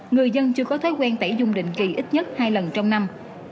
người dân chưa có thói quen tẩy dung định kỳ ít nhất hai lần trong năm